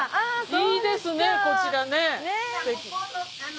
いいですねこちらね。